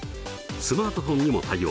スマートフォンにも対応。